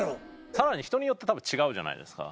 さらに人によってたぶん違うじゃないですか。